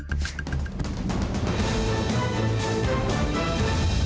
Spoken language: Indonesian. terima kasih banyak